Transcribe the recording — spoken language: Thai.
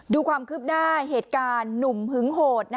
ดูความคืบหน้าเหตุการณ์หนุ่มหึงโหด